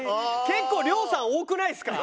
結構亮さん多くないですか？